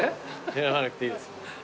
選ばなくていいです。